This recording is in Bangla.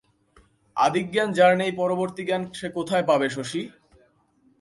আদিজ্ঞান যার নেই পরবর্তী জ্ঞান সে পাবে কোথায় শশী?